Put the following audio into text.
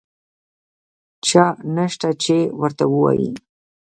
چا نشته چې ورته ووایي.